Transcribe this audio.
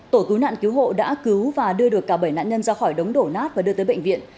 tổ cứu nạn cứu hộ đã cứu và đưa được cả bảy nạn nhân ra khỏi đống đổ nát và đưa tới bệnh viện